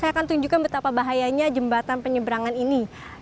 saya akan tunjukkan betapa bahayanya jembatan penyeberangan ini